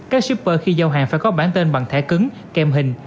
các shipper khi giao hàng phải có bản tên bằng thẻ cứng kem hình